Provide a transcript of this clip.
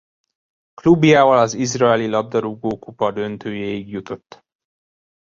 Klubjával az Izraeli labdarúgókupa döntőjéig jutott.